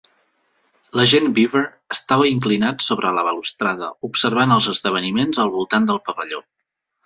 L'agent Beaver estava inclinat sobre la balustrada, observant els esdeveniments al voltant del pavelló.